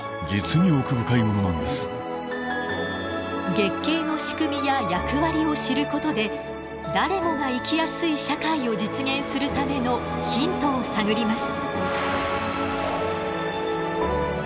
月経の仕組みや役割を知ることで誰もが生きやすい社会を実現するためのヒントを探ります。